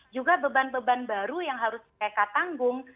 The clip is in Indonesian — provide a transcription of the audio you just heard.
juga beban beban baru yang harus mereka tanggung